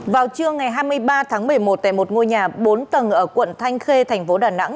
vào trưa ngày hai mươi ba tháng một mươi một tại một ngôi nhà bốn tầng ở quận thanh khê thành phố đà nẵng